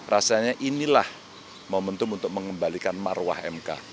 rasanya inilah momentum untuk mengembalikan marwah mk